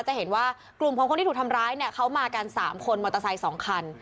จะเห็นว่ากลุ่มของคนที่ถูกทำร้ายเนี่ยเขามากัน๓คนมอเตอร์ไซค์๒คัน